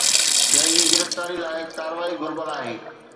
جنهن جي گرفتاري لاءِ ڪاروائي گهربل آهي